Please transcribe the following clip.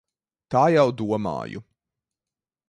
Tā jau domāju.